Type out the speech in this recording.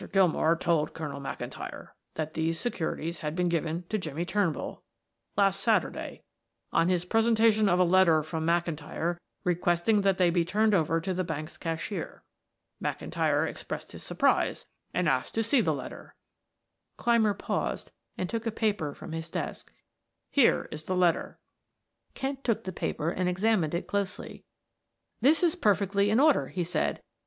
Gilmore told Colonel McIntyre that these securities had been given to Jimmie Turnbull last Saturday on his presentation of a letter from McIntyre requesting that they be turned over to the bank's cashier. McIntyre expressed his surprise and asked to see the letter" Clymer paused and took a paper from his desk. "Here is the letter." Kent took the paper and examined it closely. "This is perfectly in order," he said.